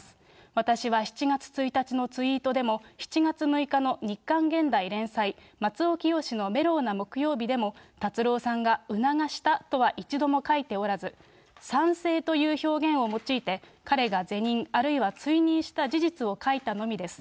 私は７月１日のツイートでも、７月６日の日刊ゲンダイ連載、松尾潔のメロウな木曜日でも、達郎さんが促したとは一度も書いておらず、賛成という表現を用いて、彼が是認、あるいは追認した事実を書いたのみです。